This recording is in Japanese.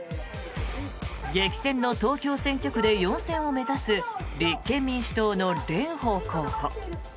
激戦の東京選挙区で４選を目指す立憲民主党の蓮舫候補。